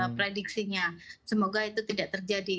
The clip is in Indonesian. prediksinya semoga itu tidak terjadi